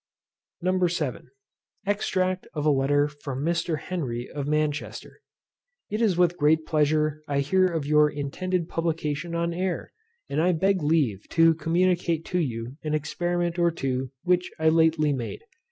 Extract of a Letter from Mr. HENRY of Manchester. It is with great pleasure I hear of your intended publication on air, and I beg leave to communicate to you an experiment or two which I lately made.